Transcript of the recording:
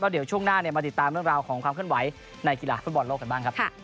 เดี๋ยวช่วงหน้ามาติดตามเรื่องราวของความเคลื่อนไหวในกีฬาฟุตบอลโลกกันบ้างครับ